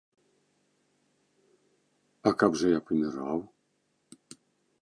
А каб жа я паміраў?